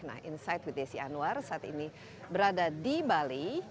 nah insight with desi anwar saat ini berada di bali